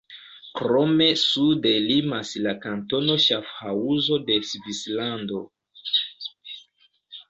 Krome sude limas la kantono Ŝafhaŭzo de Svislando.